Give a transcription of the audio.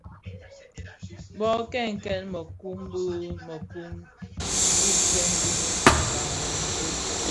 Bō kènkèn mëkun bi mëkun, wutsem dhi nlami a ntoo.